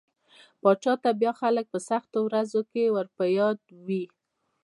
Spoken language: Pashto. پاچا ته بيا خلک په سختو ورځو کې ور په ياد وي.